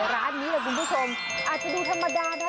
ร้านนี้แหละคุณผู้ชมอาจจะดูธรรมดานะ